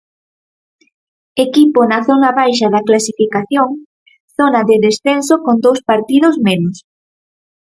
Equipo na zona baixa da clasificación, zona de descenso con dous partidos menos.